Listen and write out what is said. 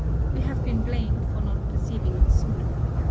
We have been blamed for not perceiving it sooner.